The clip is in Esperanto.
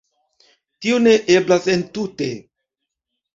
Tio ne eblas entute.